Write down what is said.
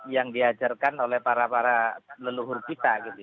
yang diajarkan oleh para para leluhur kita gitu